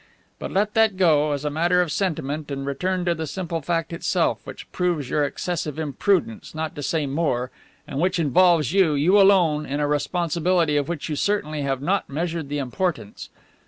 But let that go, as a matter of sentiment, and return to the simple fact itself, which proves your excessive imprudence, not to say more, and which involves you, you alone, in a responsibility of which you certainly have not measured the importance.